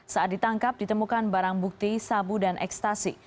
saat ditangkap ditemukan barang bukti sabu dan ekstasi